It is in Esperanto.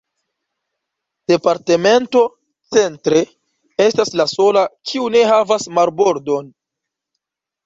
Departemento "Centre" estas la sola, kiu ne havas marbordon.